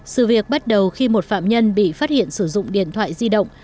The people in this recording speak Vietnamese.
sự việc bắt đầu khi một phạm nhân bị phát hiện sử dụng điện thoại di động